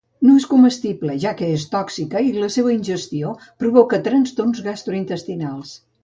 No és comestible, ja que és tòxica i la seua ingestió provoca trastorns gastrointestinals.